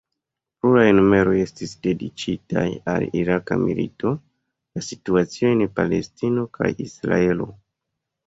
Pluraj numeroj estis dediĉitaj al Iraka milito, la situacio en Palestino kaj Israelo.